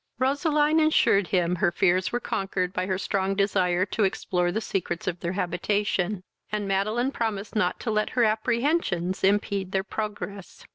Roseline assured him her fears were conquered by her strong desire to explore the secrets of their habitation, and Madeline promised not to let her apprehensions impede their progress.